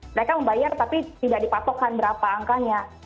mereka membayar tapi tidak dipatokkan berapa angkanya